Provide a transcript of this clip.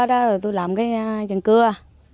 rồi tôi làm cái trần cưa